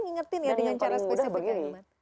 mengingatkan ya dengan cara spesifik